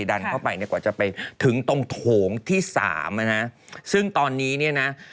ดันเข้าไปกว่าจะไปถึงตรงโถงที่๓นะฮะซึ่งตอนนี้เนี่ยนะ